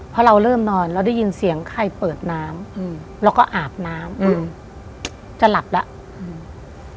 พอเราเริ่มนอนเราได้ยินเสียงใครเปิดน้ำอืมแล้วก็อาบน้ำอืมจะหลับแล้วอืม